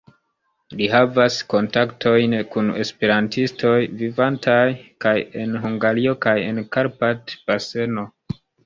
Li havas kontaktojn kun esperantistoj, vivantaj kaj en Hungario, kaj en Karpat-baseno.